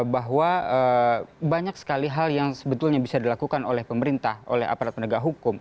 bahwa banyak sekali hal yang sebetulnya bisa dilakukan oleh pemerintah oleh aparat penegak hukum